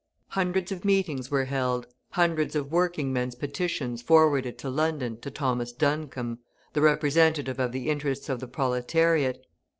Hundreds of meetings were held, hundreds of working men's petitions forwarded to London to Thomas Duncombe, the representative of the interests of the proletariat.